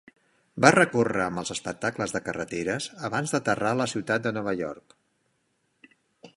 Va recórrer amb els espectacles de carreteres abans d'aterrar a la ciutat de Nova York.